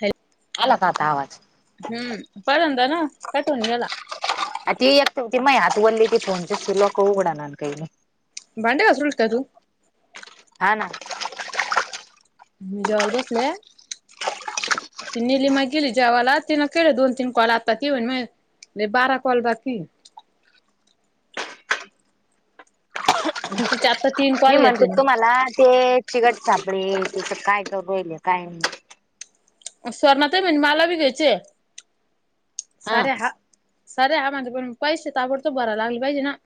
हॅ आला का आता ता आवाज हम्म पहिल्यांदाना कठवून गेला आ ती एक मये हात वल्ले की फोनचे लोक उघडणान काई नाई भांड्या घसरट का तू हा ना ी जेवाल बसलेय ती नेली मग गेली जेवाला तिने केलं दोन तीन कॉल आता ती होन मग नाही बारा कॉल बाकीि तिच्या मी म्हणतो तुम्हाला ते चिकट सापडेल तसं काय करूईल काय सुवर्णा ताई म्हणे मला बी घ्यायचे सारे हा सारे हा म्हणता पण पैसे ताबडतोब भरा लागले पाहिजे ना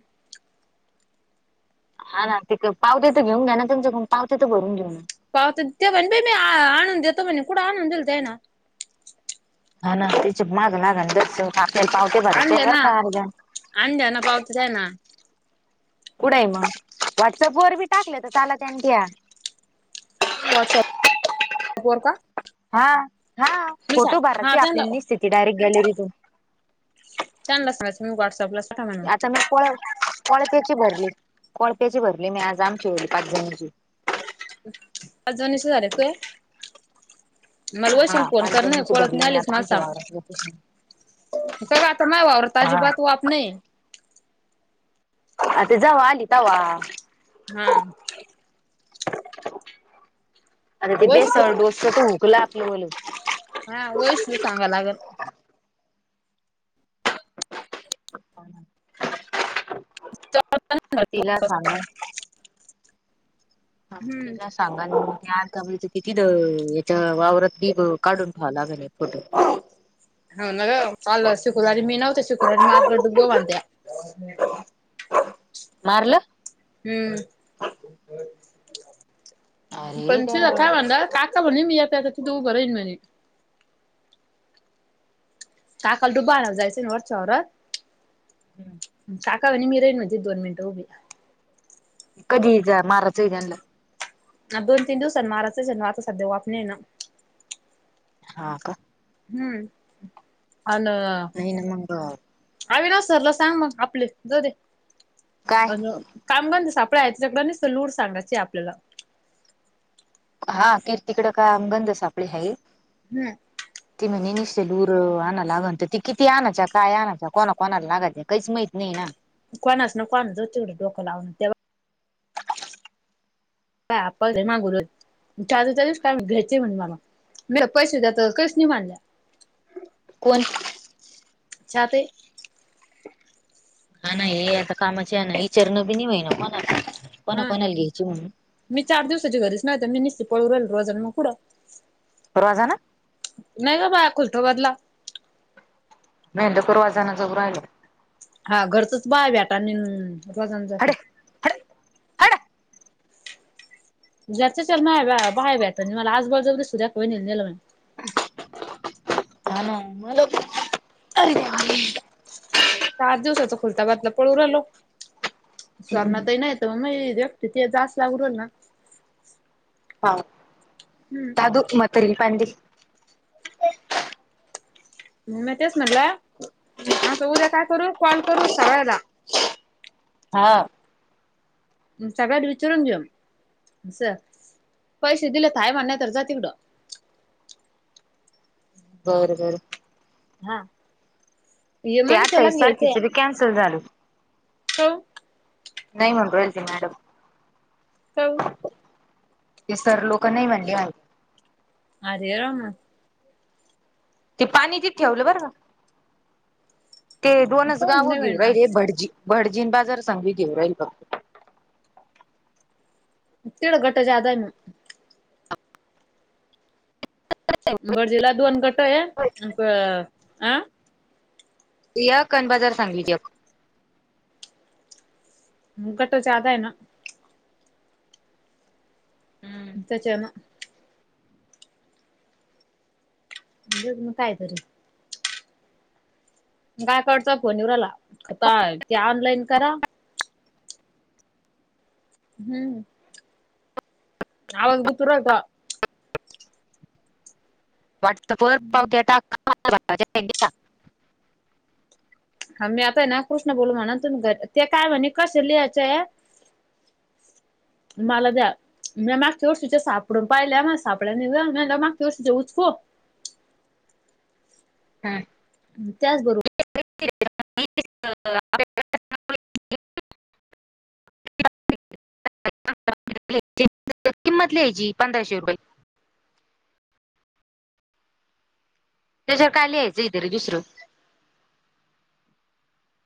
हा ना ते पावते तर घेऊ घ्या ना त्यांच्याकडून पावती तर भरून घेऊन पाहत ते म्हणेे मी बाई मी आणून देतो म्हणे कुठं आणून देईल ते ना हा ना त्याचे माग लागाना जरस आणलं ना आणलं ना पावता जाना कुढं आहे मग व्हॉट्सअप वर मी टाकलं तर ला त्यां ठ्या वॉटसअप अर का हा हा मी सांग फोटो हा भाराची त्यांना आपल्यानी स्थिती डायरेक्ट गॅलरीतून चांला सांग मी व्हट्सअपला आता मी कोळ कोळप्याची भरली कोळप्याची भरली मी आज आमचीेवली पाच जणीची पाजजस झाेतय आहे मला हा वयशल फोन पाणी कर नाही जमिनीचे ओळख भरले नाही आलीच आता मला आमच्या सांग वावरात का का आता नाही वावर अजिबात हा वाप नाही आता जाव आलीिता वा हा आणि ते बे वैशिष्ट सडोसतो हुगला आपल म्हल हा वश सांगाला लाग हा तिला सांगा हा हम्म तला सांग आणि म्ह किती याच्या वावरात बी काढून ठेवाला फोटो हो ना ग ल शिकुल आणि मी नव्हते शखुल आणि मार द गो बत्या मारलं. हम्म अरे पण तिला काय देवा म्हांड काका म्हणे मी याता तिथ उभं रा आहेईन म्हे काकाल डुबा आण जायचं वरचर. का मीरईनणध्ये दोन मिनट उभी क जीचा मारचज दोन तीन दिवसां माराच आणि आता सध्या वापणे ना हा का हम्म अना नाहीन मंग ह ना सरला सांग मग आपले ज काय अ कामगांध सापड या त्याच्याकंस तर लूर सांगायची आपल्याला हा तीर् तिकड काय अगंद सा आपली हाई हम्म ती म्ह निसतेल ल उरं आणा लागल तर ती किती आणाय काय आणाय कोणा कोणाला लागायच काहीच माहत नाही ना. कोणाच न कोणाचतवढ डोकं लावं तेव. बा आपल मा गुरु चालू चालूस काय घेचे म्हन. म पैसे द्याात कैस नाही बांधला. कोण छ ते हा नाही हे आता कामाची आहे ना विचारणं बी नाही होहि ना कोणा कोणा हा कोणाला घियची म्हणून मी चार दिवसाची घरीच नाही, तर मी निश्चित पळू राहिल रोजां मग पुुडं. रोजानं. नाही का बाया खुलठो बदला. मेहेंदपूरवाजाना जो राहिल. हा घरचच बाय भेटा आणि रोजान जाते. हडे हडे हड जच चल नाही बाहाहे भेटत मला आजबाजवस सुध द्या होई नेलं. हा ना मला चार दिवसाचा खुलता घातला पळू रालो स्वर्णातही नाही. मग ते जास् लाग आवरल ना. हा, हम्म, अदु, मातारीला पाणी दे. म म तेच म्हटलं,, आता उद्या काय करू, कॉल करू सगळदा. हां, सगळ्यात विचारून घेऊ,, अस, पैसे दिलेतय म्हण नाही तर जा तिकडं. बरं, बरं. हां,, ते, आठाईसारखेच बि कॅन्सल झाल. काउऽ नाही म्हणू रायली ती मॅडम. काऽ ते सर लोक नाही म्हणले म्ह अररा ते पाणी तित ठेवलं बरं का,, ते दोनच काऊन गावं नाही घेऊ म्हणे राहिले मागचं भटजी भडजीन बाजार संघी घेऊ राहील फघत. तेढा घटं ज्यादा आहे म बर्जीला दोन गट य,, अं या कन बाजार सांगलीत एक. गट जादा आहे ना. हम्म त्याचान. अ घीवून मी काय करू? गायकवाड चां फोन ईवू रायला, आता ते ऑनलाईन करा. हम्म, आवाज गुत रहाता. वॉट्सअप वर पावत्या टाकाय येत्या टाकऽ हा, मी आताय ना कृष्ण बोलू म्हणा, तुम्ही घरी ते काय म्हणे कसे लिहायचंय. मला द्या. म्या मागच्या वरशीच्या सापडून पाहिल्या, मग सापड्या निघ, म मागच्या वरशीच्या उचकु हा. त्याचबरोबर. [unintelligible] किंमत लिहायची पंधराशे रुपये. तेजावर काय लिहायचं इतरी दुसरं?